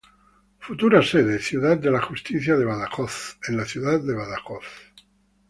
Futura sede: Ciudad de la Justicia de Badajoz, en la ciudad de Badajoz